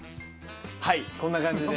はいこんな感じで。